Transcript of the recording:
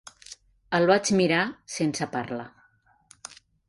El vaig mirar, sense parla.